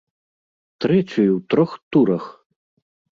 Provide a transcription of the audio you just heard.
Трэцюю ў трох турах!